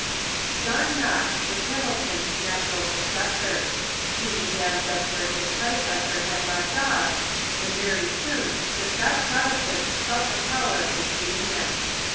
John Knox was Hamilton's natural successor. He began just where his predecessor had left off, and very soon the Scotch Protestants felt the power of his genius.